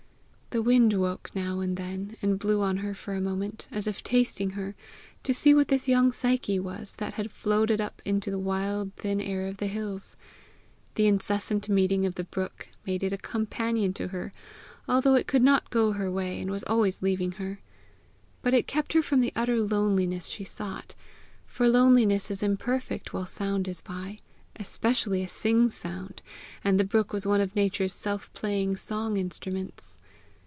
The wind woke now and then, and blew on her for a moment, as if tasting her, to see what this young Psyche was that had floated up into the wild thin air of the hills. The incessant meeting of the brook made it a companion to her although it could not go her way, and was always leaving her. But it kept her from the utter loneliness she sought; for loneliness is imperfect while sound is by, especially a sing sound, and the brook was one of Nature's self playing song instruments.